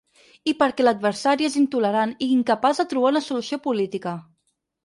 I perquè l’adversari és intolerant i incapaç de trobar una solució política.